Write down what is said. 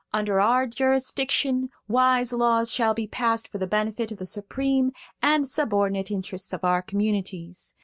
Under our jurisdiction wise laws shall be passed for the benefit of the supreme and subordinate interests of our communities.